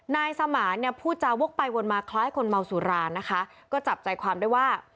นายสมานเนี่ยพูดจาวกไปวนมาคล้ายคนเมาสุรานะคะก็จับใจความได้ว่า